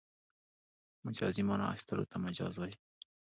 مجازي مانا اخستلو ته مجاز وايي.